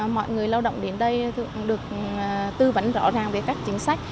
mọi người lao động đến đây được tư vấn rõ ràng về các chính sách